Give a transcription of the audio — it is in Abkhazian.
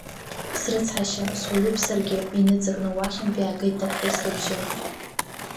Срыцҳашьа, суаҩуп саргьы, иныҵакны уахьнтәи иаагеит аԥҳәыс лбжьы.